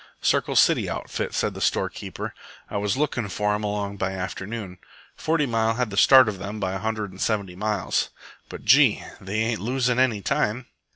"Circle City outfit," said the storekeeper. "I was lookin' for 'em along by afternoon. Forty Mile had the start of them by a hundred and seventy miles. But gee! they ain't losin' any time!"